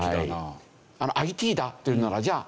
ＩＴだっていうならじゃあ